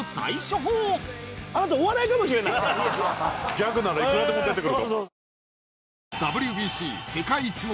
ギャグならいくらでも出てくると。